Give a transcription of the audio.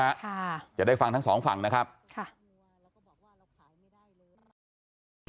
ค่ะจะได้ฟังทั้งสองฝั่งนะครับค่ะ